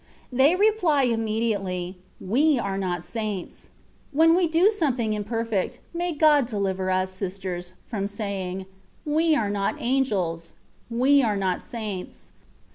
They reply immediately ;^^ We are not saints.^^ When we do something imper fect, may God deliver us, sisters, from saying —" We are not angels,^^ —^^ We are not saints.